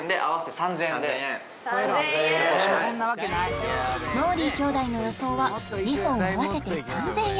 ３０００円もーりー兄弟の予想は２本合わせて３０００円